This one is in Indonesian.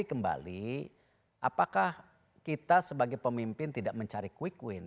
kembali apakah kita sebagai pemimpin tidak mencari quick win